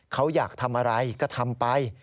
เขาอยากทำอะไรก็ทำไป